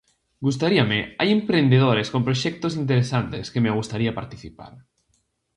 Gustaríame, hai emprendedores con proxectos interesantes que me gustaría participar.